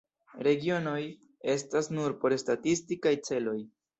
Regionoj estas nur por statistikaj celoj.